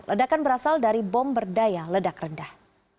ledakan berasal dari bom berdaya ledak rendah